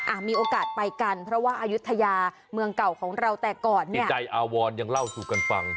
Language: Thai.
มีโอกาสไปกันเพราะว่าอายุทยาเมืองเก่าของเราแต่ก่อนเนี่ยใจอาวรยังเล่าสู่กันฟัง